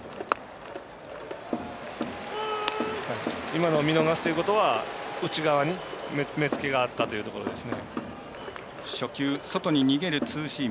今のを見逃すということは内側に目付けがあったということです。